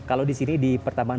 kalau di sini di pertambangan